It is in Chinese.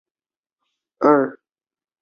兰州鲇为鲇科鲇属的鱼类。